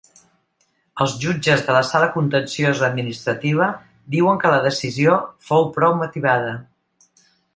Els jutges de la sala contenciosa administrativa diuen que la decisió fou prou motivada.